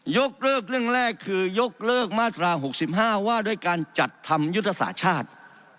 ยกเลิกเรื่องแรกคือยกเลิกมาตรา๖๕ว่าด้วยการจัดทำยุทธศาสตร์ชาติ